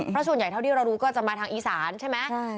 เพราะส่วนใหญ่เท่าที่เรารู้ก็จะมาทางอีสานใช่ไหม